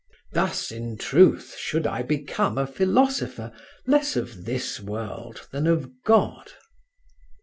Thus, in truth, should I become a philosopher less of this world than of God.